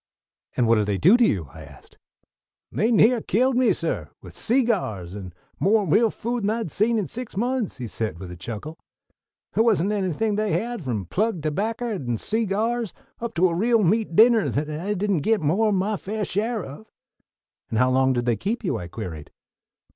"And what did they do to you?" I asked. "They near killed me, suh, with seegyars, and mo' real food than I'd seen in six months," he said with a chuckle. "The' wasn't anything they had, from plug tobacker and seegyars up to a real meat dinner that I didn't git mo' 'n my faiah share of." "And how long did they keep you?" I queried.